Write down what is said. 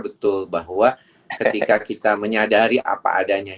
betul bahwa ketika kita menyadari apa adanya